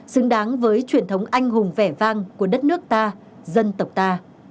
xứng đáng với truyền thống anh hùng vẻ vang của đất nước ta dân tộc ta